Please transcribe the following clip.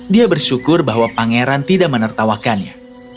dia bersyukur bahwa pangeran tidak menertawakannya